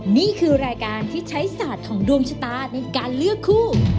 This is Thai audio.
นี่คือรายการที่ใช้ศาสตร์ของดวงชะตาในการเลือกคู่